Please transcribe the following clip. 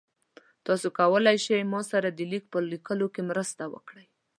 تاسو کولی شئ ما سره د لیک په لیکلو کې مرسته وکړئ؟